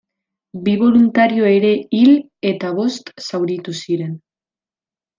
Bi boluntario ere hil eta bost zauritu ziren.